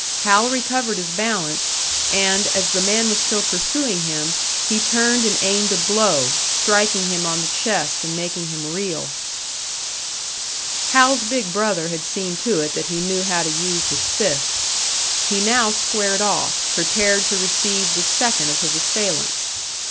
Hal recovered his balance, and, as the man was still pursuing him, he turned and aimed a blow, striking him on the chest and making him reel. Hal's big brother had seen to it that he knew how to use his fists; he now squared off, prepared to receive the second of his assailants.